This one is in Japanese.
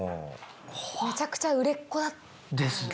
めちゃくちゃ売れっ子だった。ですね。